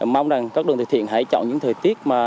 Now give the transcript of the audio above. mong rằng các đoàn thực thiện hãy chọn những thời tiết